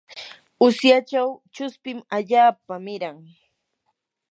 usyachaw chuspin allaapa miran.